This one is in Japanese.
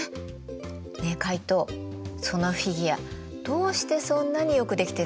ねえカイトそのフィギュアどうしてそんなによく出来てるんだと思う？